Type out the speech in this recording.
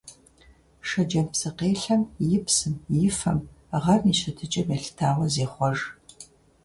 Шэджэм псыкъелъэм и псым и фэм гъэм и щытыкӀэм елъытауэ зехъуэж.